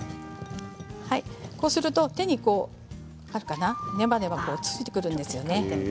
こうすると手にネバネバがついてくるんですよね。